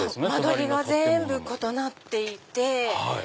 間取りが全部異なっていて。